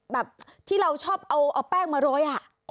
แบบที่เราเอาแป้งมาร้อย